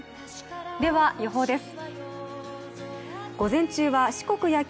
では、予報です。